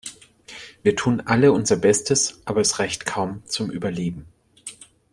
Wir tun alle unser Bestes, aber es reicht kaum zum Überleben.